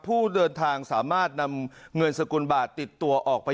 ผู้เดินทางสามารถนำเงินสกุลบาทติดตัวออกไป